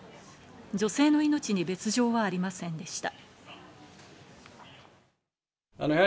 女性の命に別状はありませんでした。